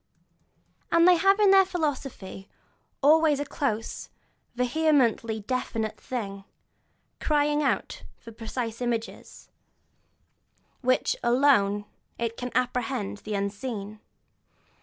And they have their philosophy, always a close, vehemently definite thing, crying out for precise images, by which alone it can apprehend the unseen.